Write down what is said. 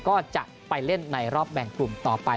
ก็จะไปเล่นในรอบแบ่งกลุ่มต่อไป